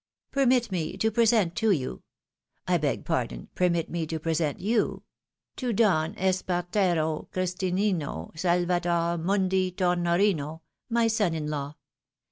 Permit me to present to you 1 beg pardon, permit me to present you to Don Espartero Christinino Salvator Mundi Tornorino, my son in law.